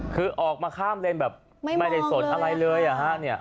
คือออกมาข้ามเลนแบบไม่ได้สนอะไรเลย